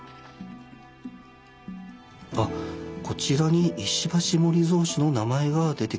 こちらに石橋守造氏の名前が出てきます。